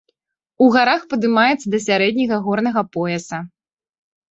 У гарах падымаецца да сярэдняга горнага пояса.